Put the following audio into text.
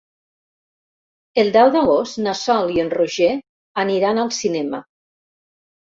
El deu d'agost na Sol i en Roger aniran al cinema.